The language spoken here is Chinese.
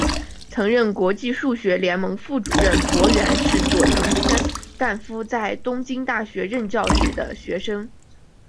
曾任国际数学联盟副主席柏原是佐藤干夫在东京大学任教时的学生。